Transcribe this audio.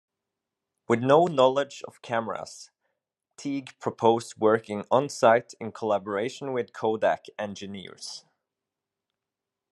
With no knowledge of cameras, Teague proposed working on-site in collaboration with Kodak engineers.